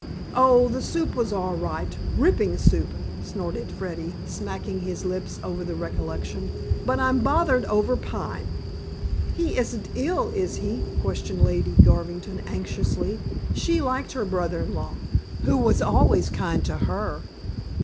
"Oh, the soup was all right ripping soup," snorted Freddy, smacking his lips over the recollection. "But I'm bothered over Pine." "He isn't ill, is he?" questioned Lady Garvington anxiously. She liked her brother in law, who was always kind to her.